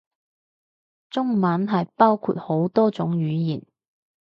中文係包括好多種語言